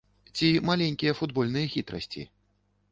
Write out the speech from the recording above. Ці маленькія футбольныя хітрасці?